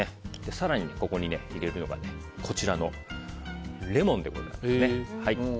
更に、ここに入れるのがレモンでございます。